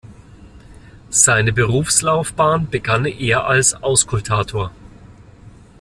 Seine Berufslaufbahn begann er als Auskultator.